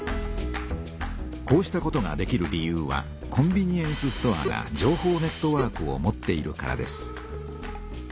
こうしたことができる理由はコンビニエンスストアが情報ネットワークを持っているからです。